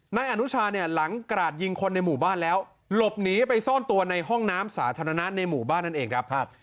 นายอนุชาเนี่ยหลังกราดยิงคนในหมู่บ้านแล้วหลบหนีไปซ่อนตัวในห้องน้ำสาธารณะในหมู่บ้านนั่นเองครับ